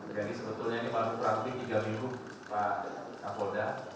jadi sebetulnya ini malam perangkuling tiga pak kapolda